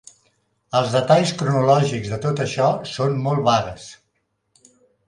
Els detalls cronològics de tot això són molt vagues.